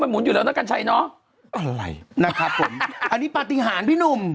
หุ่นอยู่แล้วนะกัญชัยเนอะอะไรนะครับผมอันนี้ปฏิหารพี่หนุ่ม